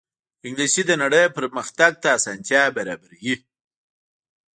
انګلیسي د نړۍ پرمخ تګ ته اسانتیا برابروي